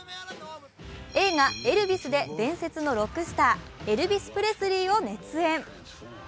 映画「エルヴィス」で伝説のロックスター、エルヴィス・プレスリーを熱演。